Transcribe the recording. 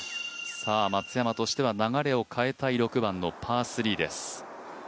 松山としては流れを変えたい６番のパー３です。